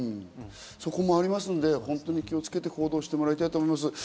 そこもありますので気をつけて行動してもらいたいと思います。